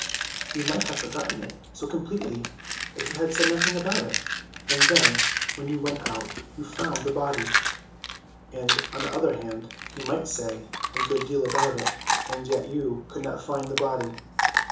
He might have forgotten it so completely that he said nothing about it; and then when you went out you found the body; and, on the other hand, he might say a great deal about it, and yet you could not find the body.